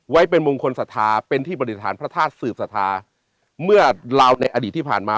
ไว้เป็นมงคลศรัทธาเป็นที่ปฏิฐานพระธาตุสืบสัทธาเมื่อเราในอดีตที่ผ่านมา